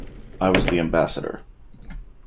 I was the ambassador.